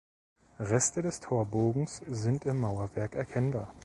Reste des Torbogens sind im Mauerwerk erkennbar.